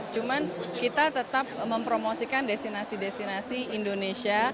cuman kita tetap mempromosikan destinasi destinasi indonesia